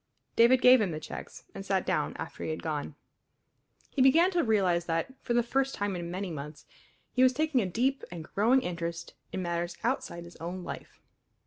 David gave him the checks, and sat down after he had gone. He began to realize that, for the first time in many months, he was taking a deep and growing interest in matters outside his own life.